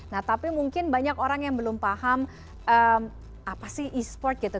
nah tapi mungkin banyak orang yang belum paham apa sih e sport gitu